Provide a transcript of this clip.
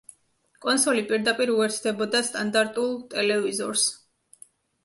კონსოლი პირდაპირ უერთდებოდა სტანდარტულ ტელევიზორს.